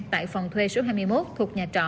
tại phòng thuê số hai mươi một thuộc nhà trọ